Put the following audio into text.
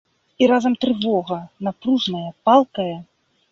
І разам трывога, напружная, палкая.